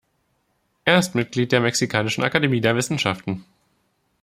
Er ist Mitglied der Mexikanischen Akademie der Wissenschaften.